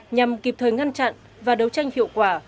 nhằm kịp thời ngăn chặn và đấu tranh hiệu quả